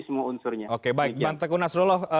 semua unsurnya oke baik mbak tekun nasrullah